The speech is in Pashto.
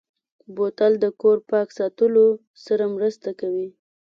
بوتل د کور پاک ساتلو سره مرسته کوي.